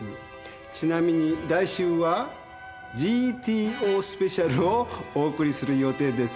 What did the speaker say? ちなみに来週は『ＧＴＯスペシャル』をお送りする予定です。